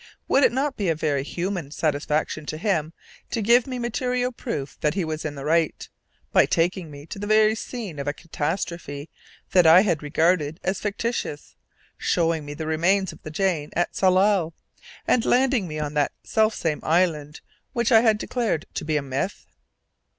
Would it not be a very "human" satisfaction to him to give me material proof that he was in the right, by taking me to the very scene of a catastrophe that I had regarded as fictitious, showing me the remains of the Jane at Tsalal, and landing me on that selfsame island which I had declared to be a myth?